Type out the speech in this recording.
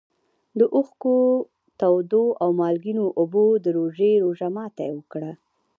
د اوښکو تودو او مالګینو اوبو د روژې روژه ماتي وکړ.